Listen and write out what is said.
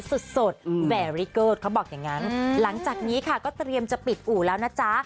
สดแบริโก้เขาบอกอย่างนั้นหลังจากนี้ค่ะก็เตรียมจะปิดอู่แล้วนะจ๊ะ